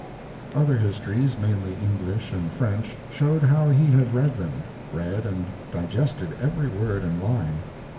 Other histories, mainly English and French, showed how he had read them read and digested every word and line.